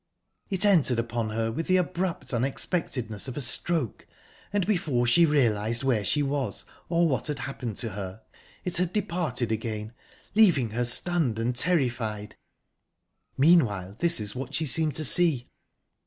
It entered upon her with the abrupt unexpectedness of a stroke, and before she realised where she was, or what had happened to her, it had departed again leaving her stunned and terrified. Meanwhile, this is what she seemed to see.